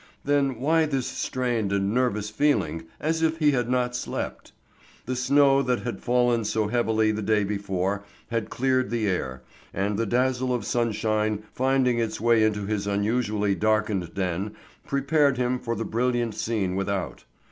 Then why this strained and nervous feeling, as if he had not slept? The snow that had fallen so heavily the day before had cleared the air, and the dazzle of sunshine finding its way into his unusually darkened den prepared him for the brilliant scene without.